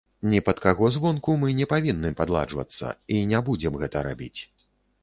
Ні пад каго звонку мы не павінны падладжвацца і не будзем гэта рабіць.